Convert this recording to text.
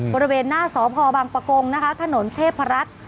บริเวณหน้าสภบังปะโกงถนนเทพรัฐ